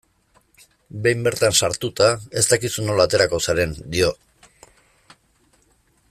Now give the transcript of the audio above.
Behin bertan sartuta, ez dakizu nola aterako zaren, dio.